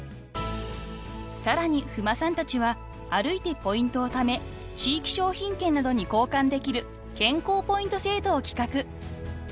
［さらに夫馬さんたちは歩いてポイントをため地域商品券などに交換できる「健幸ポイント制度」を企画］